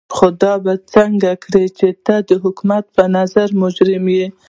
خو دا به څنګه کړې چې ته د حکومت په نظر مجرم يې.